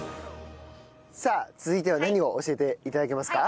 さあ続いては何を教えて頂けますか？